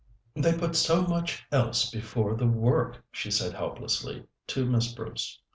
"They put so much else before the work," she said helplessly to Miss Bruce.